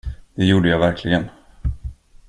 Det gjorde jag verkligen.